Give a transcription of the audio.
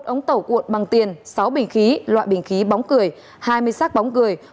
một ống tẩu cuộn bằng tiền sáu bình khí loại bình khí bóng cười hai mươi xác bóng cười